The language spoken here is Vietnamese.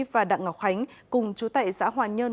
và đặng ngọc khánh cùng chú tệ xã hòa nhân